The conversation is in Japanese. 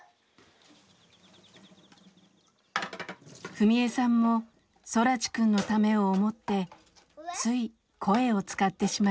史恵さんも空知くんのためを思ってつい声を使ってしまいます。